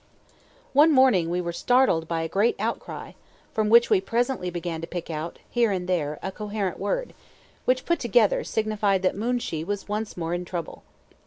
One morning we were startled by a great outcry, from which we presently began to pick out, here and there, a coherent word, which, put together, signified that Moonshee was once more in trouble.